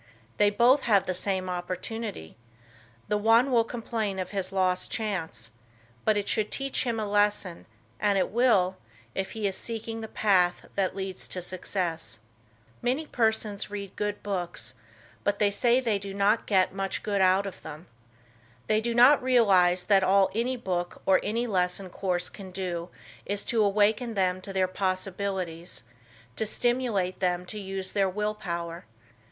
They both have the same opportunity. The one will complain of his lost chance. But it should teach him a lesson, and it will, if he is seeking the path that leads to success. Many persons read good books, but say they do not get much good out of them. They do not realize that all any book or any lesson course can do is to awaken them to their possibilities; to stimulate them to use their will power.